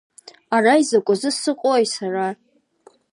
Ара изакәазы сыҟои сара?